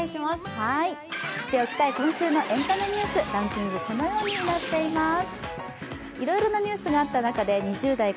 知っておきたい今週のエンタメニュース、ランキング、このようになっています。